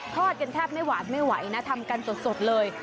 อดกันแทบไม่หวานไม่ไหวนะทำกันสดเลย